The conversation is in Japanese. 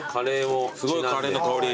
すごいカレーの香り。